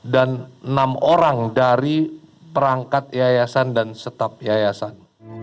dan enam orang dari perangkat yayasan dan setap yayasan